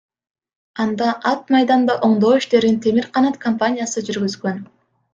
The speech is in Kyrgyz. Анда ат майданда оңдоо иштерин Темир Канат компаниясы жүргүзгөн.